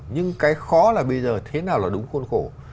nhưng cái khó là bây giờ thế nào là đúng khuôn khổ